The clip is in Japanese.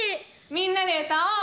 「みんなで歌おう」！